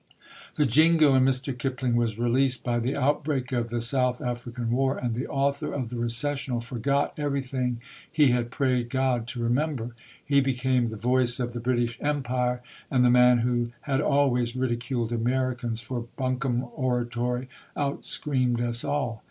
The Jingo in Mr. Kipling was released by the outbreak of the South African War, and the author of The Recessional forgot everything he had prayed God to remember. He became the voice of the British Empire, and the man who had always ridiculed Americans for bunkum oratory, out screamed us all.